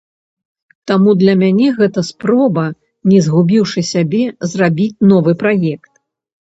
Таму для мяне гэта спроба не згубіўшы сябе, зрабіць новы праект.